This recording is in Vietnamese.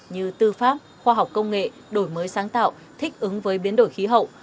như tư pháp khoa học công nghệ đổi mới sáng tạo thích ứng với biến đổi khí hậu